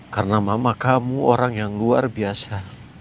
karena mama kamu orang yang luar biasa